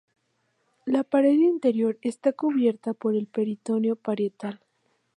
La pared interior está cubierta por el peritoneo parietal.